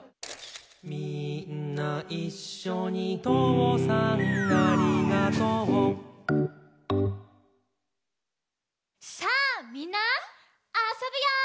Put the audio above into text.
「みーんないっしょにとうさんありがとう」さあみんなあそぶよ！